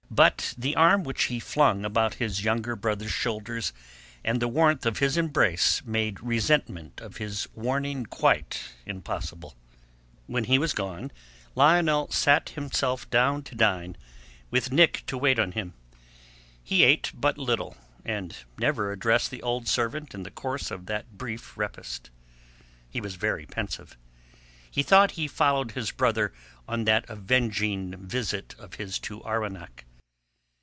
But the arm which he flung about his younger brother's shoulders and the warmth of his embrace made resentment of his warning quite impossible. When he was gone, Lionel sat him down to dine, with Nick to wait on him. He ate but little, and never addressed the old servant in the course of that brief repast. He was very pensive. In thought he followed his brother on that avenging visit of his to Arwenack.